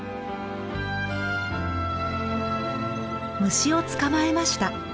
虫を捕まえました。